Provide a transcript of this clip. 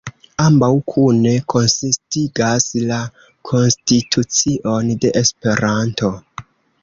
Ambaŭ kune konsistigas la konstitucion de Esperanto.